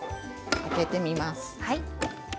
開けてみます。